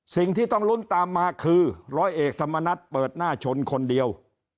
สิ่งที่ต้องลุ้นตามมาคือร้อยเอกธรรมนัฏเปิดหน้าชนคนเดียว